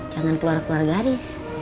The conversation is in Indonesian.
jangan keluar keluar garis